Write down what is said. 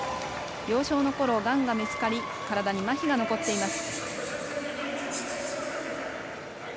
幼少のころ、がんが見つかり体に、まひが残っています。